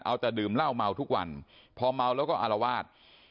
เอาแต่ดื่มเหล้าเมาทุกวันพอเมาแล้วก็อารวาส